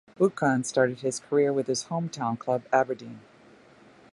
Buchan started his career with his home town club, Aberdeen.